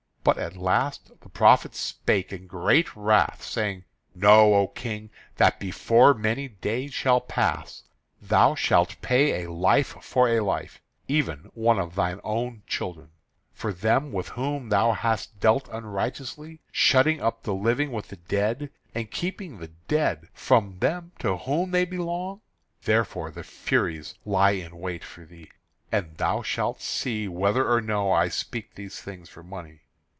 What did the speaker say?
But at the last the prophet spake in great wrath, saying: "Know, O King, that before many days shall pass, thou shalt pay a life for a life, even one of thine own children, for them with whom thou hast dealt unrighteously, shutting up the living with the dead, and keeping the dead from them to whom they belong. Therefore the Furies lie in wait for thee, and thou shalt see whether or no I speak these things for money.